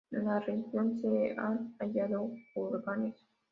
En la región se han hallado kurganes.